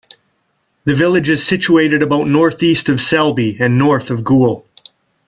The village is situated about north-east of Selby, and north of Goole.